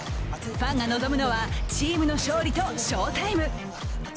ファンが望むのはチームの勝利と翔タイム。